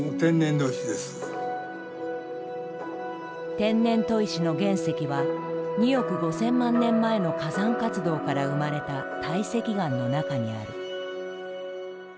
天然砥石の原石は２億５，０００万年前の火山活動から生まれた堆積岩の中にある。